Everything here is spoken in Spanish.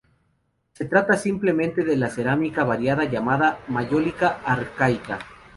Se trata simplemente de la cerámica vidriada llamada Mayólica arcaica.